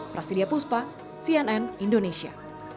prasidya puspa cnn indonesia